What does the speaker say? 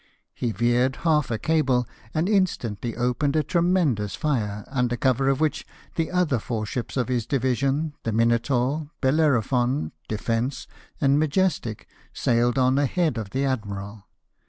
He veered half a cable, and instantly opened a tremendous fire ; under cover of which the other four ships of his division, the Minotaur, Bellerophon, Defence, and Majestic, sailed on ahead of the admiral.